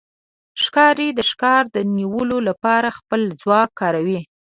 ښکاري د ښکار د نیولو لپاره خپل ځواک کاروي.